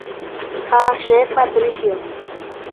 Ha che Patricio.